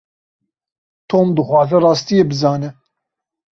Tom dixwaze rastiyê bizane.